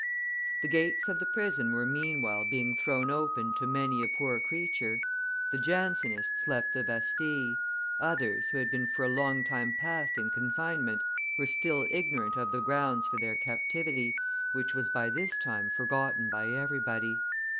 The gates of the prison were meanwhile being thrown open to many a poor creature; the Jansenists left the Bastille; others, who had been for a long time past in confinement, were still ignorant of the grounds for their captivity, which was by this time forgotten by everybody.